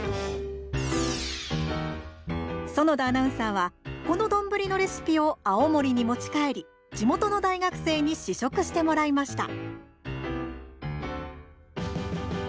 園田アナウンサーはこの丼のレシピを青森に持ち帰り地元の大学生に試食してもらいました。